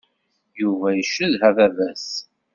Yuba icedha baba-s.